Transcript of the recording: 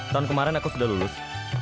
tahun kemarin aku sudah lulus